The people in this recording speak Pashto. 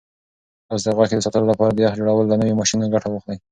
تاسو د غوښې د ساتلو لپاره د یخ جوړولو له نویو ماشینونو ګټه واخلئ.